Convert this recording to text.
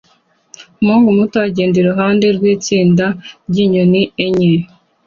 Umuhungu muto agenda iruhande rwitsinda ryinyoni enye